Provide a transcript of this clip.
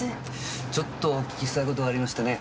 ちょっとお訊きしたい事がありましてね。